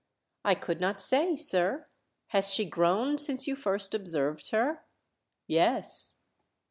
" I could not say, sir. Has she grown since you first observed her ? "Yes."